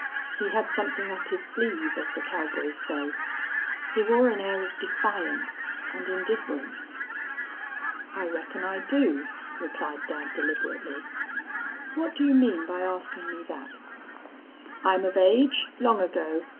He had something up his sleeve, as the cowboys say. He wore an air of defiance and indifference. "'I reckon I do,' replied dad, deliberately. 'What do you mean by askin' me thet?' "'I'm of age, long ago.